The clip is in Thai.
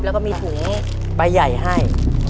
แล้วก็มีถุงใบใหญ่ให้